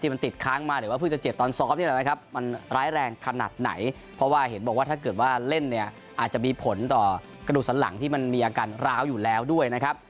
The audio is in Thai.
มันติดค้างมาหรือว่าเพิ่งจะเจ็บตอนซ้อมนี่แหละนะครับมันร้ายแรงขนาดไหนเพราะว่าเห็นบอกว่าถ้าเกิดว่าเล่นเนี่ยอาจจะมีผลต่อกระดูกสันหลังที่มันมีอาการร้าวอยู่แล้วด้วยนะครับ